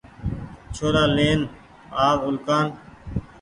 ڇورآن لين آو اُلڪآن